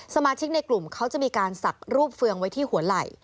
สมาชิกในกลุ่มเขาจะมีการสักรูปเฟืองไว้ที่หัวไหล่